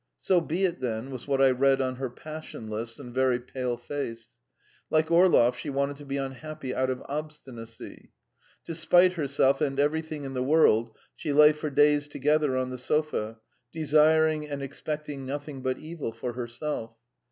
"So be it, then," was what I read on her passionless and very pale face. Like Orlov, she wanted to be unhappy out of obstinacy. To spite herself and everything in the world, she lay for days together on the sofa, desiring and expecting nothing but evil for herself.